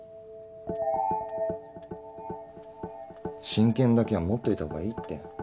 親権だけは持っといたほうがいいって。